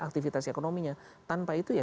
aktivitas ekonominya tanpa itu ya